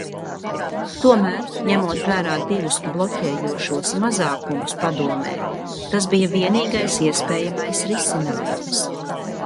Tomēr, ņemot vērā divus bloķējošos mazākumus Padomē, tas bija vienīgais iespējamais risinājums.